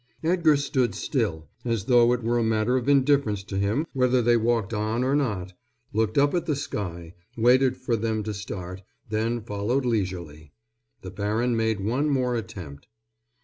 Edgar stood still, as though it were a matter of indifference to him whether they walked on or not, looked up at the sky, waited for them to start, then followed leisurely. The baron made one more attempt.